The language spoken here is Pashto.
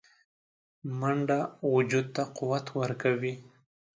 منډه وجود ته قوت ورکوي